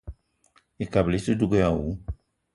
Ekabili i te dug èè àwu